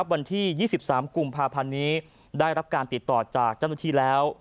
วันที่๒๓กุมภาพันธ์นี้ได้รับการติดต่อจากเจ้าหน้าที่แล้ว